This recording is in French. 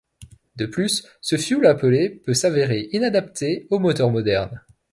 De plus, ce fioul appelé peut s'avérer inadapté aux moteurs modernes.